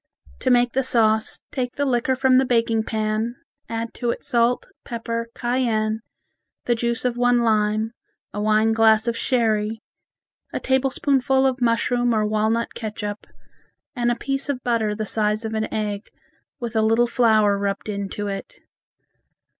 To make the sauce, take the liquor from the baking pan, add to it salt, pepper, cayenne, the juice of one lime, a wine glass of sherry, a tablespoonful of mushroom or walnut catsup, and a piece of butter the size of an egg with a little flour rubbed into it.